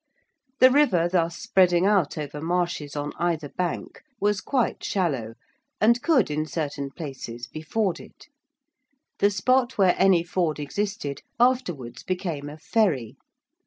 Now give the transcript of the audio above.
The river thus spreading out over marshes on either bank was quite shallow, and could in certain places be forded. The spot where any ford existed afterwards became a ferry.